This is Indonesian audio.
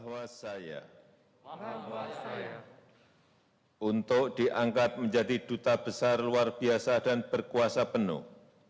bahwa saya untuk diangkat menjadi duta besar luar biasa dan berkuasa penuh